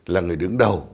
là người đứng đầu